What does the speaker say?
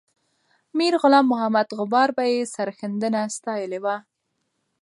میرغلام محمد غبار به یې سرښندنه ستایلې وه.